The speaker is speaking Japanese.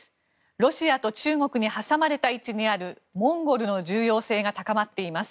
ロシアと中国に挟まれた位置にあるモンゴルの重要性が高まっています。